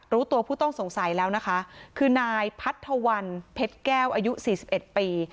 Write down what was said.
รู้ตัวผู้ต้องสงสัยแล้วนะคะคือนายพัทธวันเพชรแก้วอายุสี่สิบเอ็ดปี